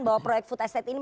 sebentar bang riza